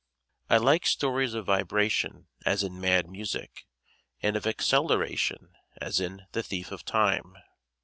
I like stories of vibration as in "Mad Music," and of acceleration, as in "The Thief of Time."